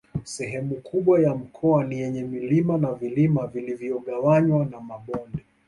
Sehemu kubwa ya mkoa ni yenye milima na vilima vilivyogawanywa na mabonde